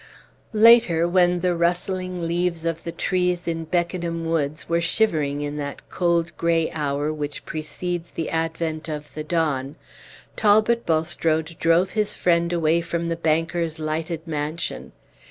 '" Later, when the rustling leaves of the trees in Beckenham Woods were shivering in that cold gray hour which precedes the advent of the dawn. Talbot Bulstrode drove his friend away from the banker's lighted mansion.